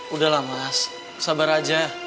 udahlah mas sabar aja